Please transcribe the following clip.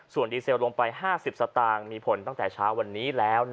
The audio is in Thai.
ส่วนดีเซลลงไป๕๐สตางค์มีผลตั้งแต่เช้าวันนี้แล้ว